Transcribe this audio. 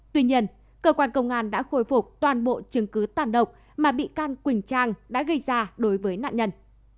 tuy nhiên cơ quan công an đã khôi phục toàn bộ chứng cứ tàn độc mà bị can quỳnh trang đã gây ra đối với nạn nhân